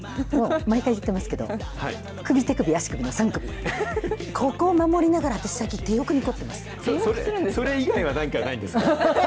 毎回言ってますけど、首、手首、足首の３首、ここを守りながら、私、さっき、それ以外は何かないんですか。